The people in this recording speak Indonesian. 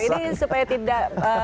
ini supaya tidak